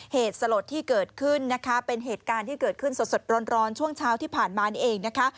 เหตุสลดที่เกิดขึ้นนะคะเป็นเหตุการณ์ที่เกิดขึ้นสดร้อนช่วงเช้าที่ผ่านมานี่เองนะคะ